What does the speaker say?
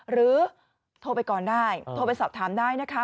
หรือโทรไปก่อนได้โทรไปสอบถามได้นะคะ